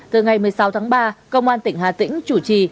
từ ngày một mươi sáu tháng ba công an tỉnh hà tĩnh chủ trì